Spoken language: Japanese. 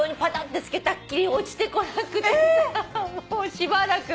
しばらく。